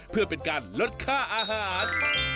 เพื่อเป็นการลดค่าอาหาร